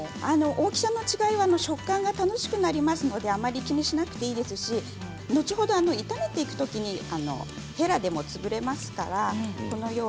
大きさの違いは食感が楽しくなりますのであまり気にしなくていいですし後ほど炒めていくときにへらでもつぶれますから。